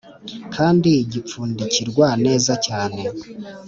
kandi gipfundikirwa neza cyane